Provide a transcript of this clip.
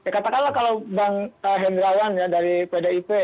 katakanlah kalau bang hendrawan ya dari pdip